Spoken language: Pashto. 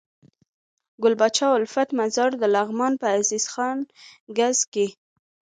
ګل پاچا الفت مزار دلغمان په عزيز خان کځ کي